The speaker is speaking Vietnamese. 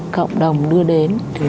cộng đồng đưa đến